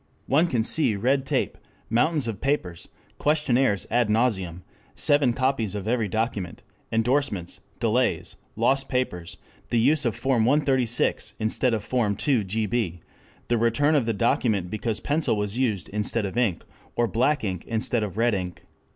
One can see red tape, mountains of papers, questionnaires ad nauseam, seven copies of every document, endorsements, delays, lost papers, the use of form 136 instead of form 2gb, the return of the document because pencil was used instead of ink, or black ink instead of red ink.